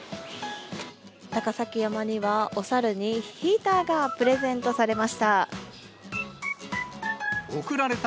高崎山には、お猿にヒーターがプレゼントされました。